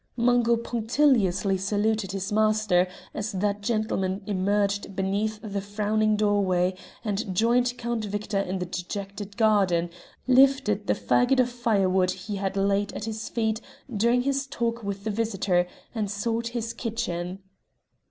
Mungo punctiliously saluted his master as that gentleman emerged beneath the frowning doorway and joined Count Victor in the dejected garden, lifted the faggot of firewood he had laid at his feet during his talk with the visitor, and sought his kitchen.